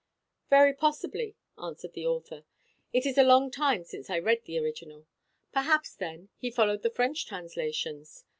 "Very possibly," answered the author; "it is a long time since I read the original. Perhaps, then, he followed the French translations.